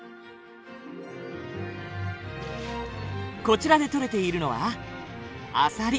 こちらで取れているのはアサリ。